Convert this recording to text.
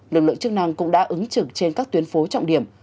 lực lượng chức năng cũng đã ứng trực trên các tuyến phố trọng điểm